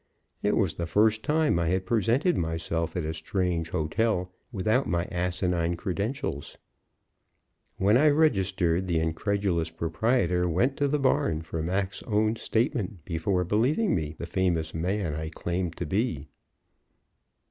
It was the first time I had presented myself at a strange hotel without my asinine credentials. When I registered, the incredulous proprietor went to the barn for Mac's own statement before believing me the famous man I claimed to be.